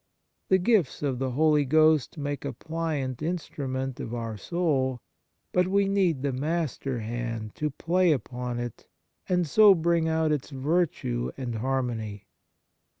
The gifts of the Holy Ghost make a pliant instrument of our soul, but we need the master hand to play upon it, and so bring out its virtue and harmony.